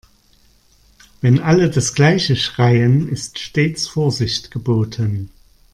Wenn alle das gleiche schreien, ist stets Vorsicht geboten.